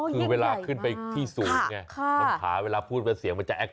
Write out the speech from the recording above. คือเวลาขึ้นไปที่สูงเวลาพูดเสียงมันจะแอคโค